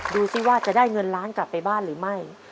ดูสิว่าจะได้เงินล้านกลับไปบ้านหรือไม่